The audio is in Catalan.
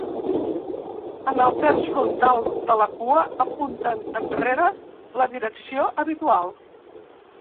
En el terç frontal de la cua, apunten enrere, la direcció habitual.